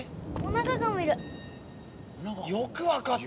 よくわかったね。